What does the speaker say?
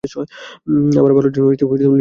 আমার ভালোর জন্যই লিনেট এসব করেছেন।